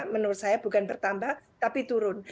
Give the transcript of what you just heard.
menurut saya bukan bertambah tapi turun